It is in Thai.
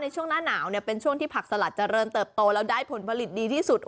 ช่วงหน้าหนาวเป็นช่วงที่ผักสลัดเจริญเติบโตแล้วได้ผลผลิตดีที่สุด